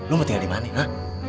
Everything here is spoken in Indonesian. lu mau tinggal dimana